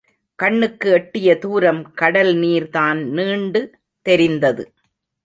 கண்ணுக்கு எட்டிய துாரம் கடல் நீர் தான் நீண்டு தெரிந்தது.